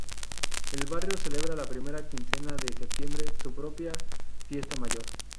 El barrio celebra la primera quincena de septiembre su propia fiesta mayor.